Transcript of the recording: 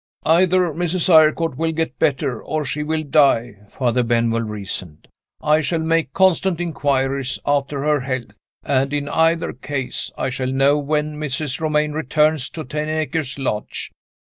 "Either Mrs. Eyrecourt will get better, or she will die," Father Benwell reasoned. "I shall make constant inquiries after her health, and, in either case, I shall know when Mrs. Romayne returns to Ten Acres Lodge.